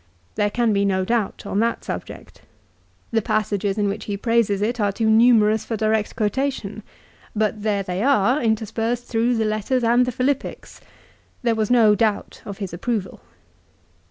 There can be no doubt on that subject. The passages in which he praises it are too numerous for direct quotation, but there they are, interspersed through the letters and the Philippics. There was no doubt of his. approval.